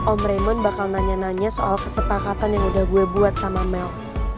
om raymon bakal nanya nanya soal kesepakatan yang udah gue buat sama mel